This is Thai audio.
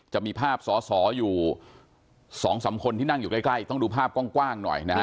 จะมีภาพสอสออยู่๒๓คนที่นั่งอยู่ใกล้ต้องดูภาพกว้างหน่อยนะฮะ